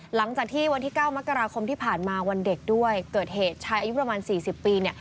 หลังจากที่วันที่๙มกราคมที่ผ่านมาวันเด็กด้วยเกิดเหตุชายอายุประมาณ๔๐ปีเนี่ย